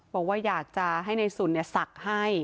บอกว่าอยากจะให้ในสุนศักดิ์ให้